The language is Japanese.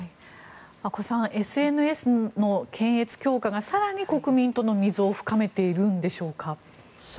阿古さんＳＮＳの検閲強化が更に国民との溝を深めているんでしょうか？